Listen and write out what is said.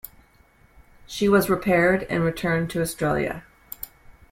She was repaired, and returned to Australia.